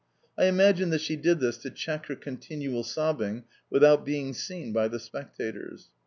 I imagine that she did this to check her continual sobbing without being seen by the spectators.